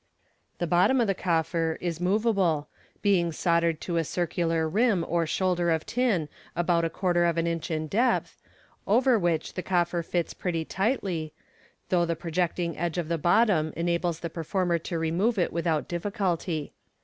The bottom of the coffer is moveable, being soldered to a circular rim or shoulder of tin about a quarter of tn inch in depth, over which the coffer fits pretty tightly, though the projecting edge of the bottom enables the performer to remove it without difficulty.